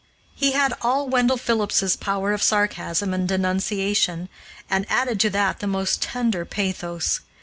He had all Wendell Phillips' power of sarcasm and denunciation, and added to that the most tender pathos.